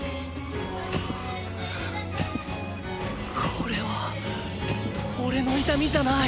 これはおれの痛みじゃない。